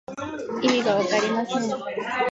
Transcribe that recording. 意味がわかりません。